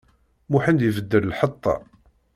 Muḥend ibeddel lḥeṭṭa.